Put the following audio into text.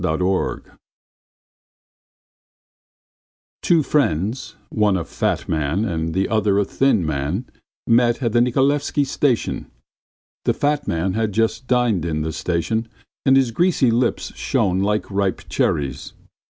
FAT AND THIN Two friends one a fat man and the other a thin man met at the Nikolaevsky station. The fat man had just dined in the station and his greasy lips shone like ripe cherries.